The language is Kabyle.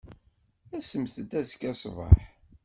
Asemt-d azekka ṣṣbeḥ.